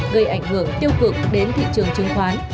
gây ảnh hưởng tiêu cực đến thị trường chứng khoán